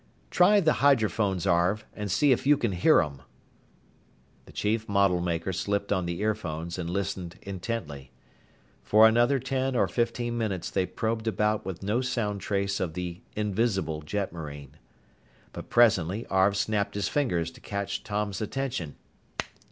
"Try the hydrophones, Arv, and see if you can hear 'em." The chief modelmaker slipped on the earphones and listened intently. For another ten or fifteen minutes they probed about with no sound trace of the "invisible" jetmarine. But presently Arv snapped his fingers to catch Tom's attention.